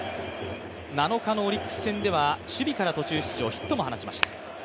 ７日のオリックス戦では、守備から途中出場、ヒットも放ちました。